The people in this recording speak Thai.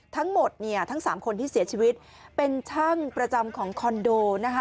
ทั้งหมด๓คนเสียชีวิตเป็นช่างประจำของคอนโด